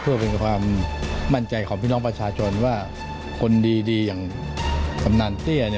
เพื่อเป็นความมั่นใจของพี่น้องประชาชนว่าคนดีอย่างกำนันเตี้ย